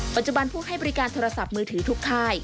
ปัจจุบันผู้ให้บริการโทรศัพท์มือถือทุกค่าย